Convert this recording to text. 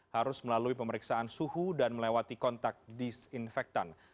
harus melalui pemeriksaan suhu dan melewati kontak disinfektan